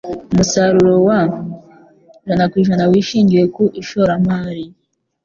Umusaruro wa % wishingiwe ku ishoramari.